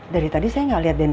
dari tadi saya gak liat dendry